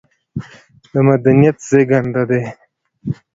د مدنيت زېږنده دى